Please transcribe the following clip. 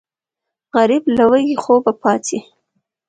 غریب له وږي خوبه پاڅي